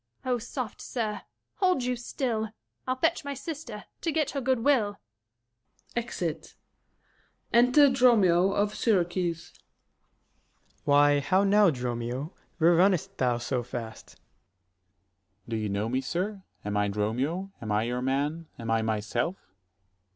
Luc. O, soft, sir! hold you still: I'll fetch my sister, to get her good will. [Exit. 70 Enter DROMIO of Syracuse. Ant. S. Why, how now, Dromio! where runn'st thou so fast? Dro. S. Do you know me, sir? am I Dromio? am I your man? am I myself?